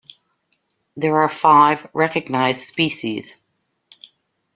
There are five recognized species.